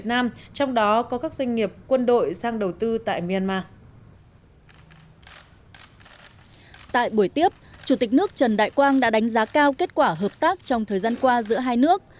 tại buổi tiếp chủ tịch nước trần đại quang đã đánh giá cao kết quả hợp tác trong thời gian qua giữa hai nước